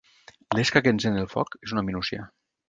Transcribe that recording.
L'esca que encén el foc és una minúcia.